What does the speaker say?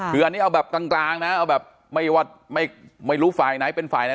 คืออันนี้เอาแบบกลางนะเอาแบบไม่ว่าไม่รู้ฝ่ายไหนเป็นฝ่ายไหน